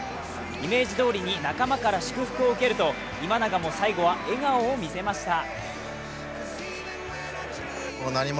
イメージどおりに仲間から祝福を受けると今永は最後は笑顔を見せました。